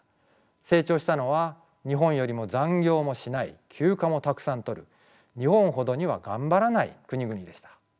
成長したのは日本よりも残業もしない休暇もたくさん取る日本ほどにはがんばらない国々でした。